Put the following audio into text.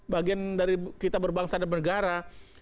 bagian dari kita berbangsa dan negara